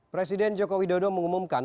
presiden joko widodo mengumumkan